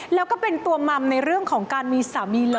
แล้วก็เป็นตัวมัมในเรื่องของการมีสามีเลย